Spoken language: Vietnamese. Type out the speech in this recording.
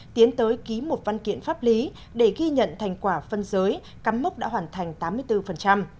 tiến tới ký một văn kiện pháp lý để ghi nhận thành quả phân giới cắm mốc đã hoàn thành tám mươi bốn